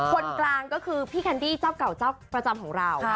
คนกลางก็คือพี่แคนดี้เจ้าเก่าเจ้าประจำของเรา